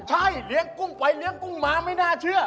ใช่เลี้ยงกุ้งไปเลี้ยงกุ้งมาไม่น่าเชื่อ